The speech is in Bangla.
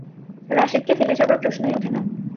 রাশেদকে ফেলে যাবার প্রশ্নই ওঠে না।